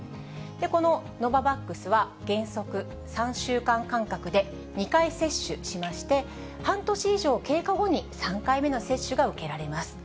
このノババックスは原則３週間間隔で２回接種しまして、半年以上経過後に３回目の接種が受けられます。